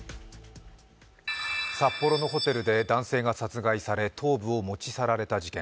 札幌のホテルで男性が殺害され頭部を持ち去られた事件。